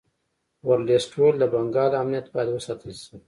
ورلسټ ویل د بنګال امنیت باید وساتل شي.